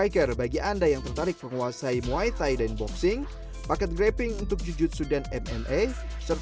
kerajaan eerste terakhir waktu itu itu habis